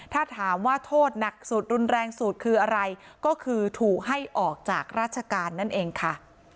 ถ้าถามว่าโทษหนักสุดรุนแรงสุดคืออะไรก็คือถูกให้ออกจากราชการนั่นเองค่ะ